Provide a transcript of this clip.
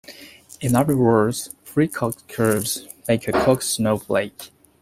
In other words, three Koch curves make a Koch snowflake.